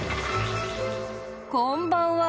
こんばんは。